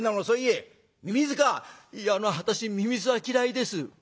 「いやあの私ミミズは嫌いです」。